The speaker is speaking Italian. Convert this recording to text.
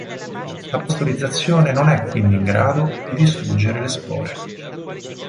La pastorizzazione non è quindi in grado di distruggere le spore.